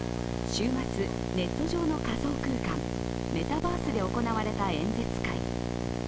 週末、ネット上の仮想空間、メタバースで行われた演説会。